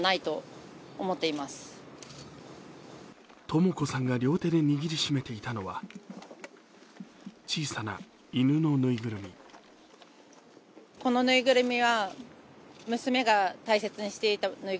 とも子さんが両手で握りしめていたのは小さな犬のぬいぐるみ。